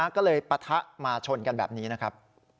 ก็เลยปะทะมาชนกันแบบนี้นะครับ